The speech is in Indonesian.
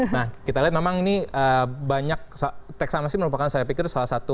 nah kita lihat memang ini banyak tax amnesty merupakan saya pikir salah satu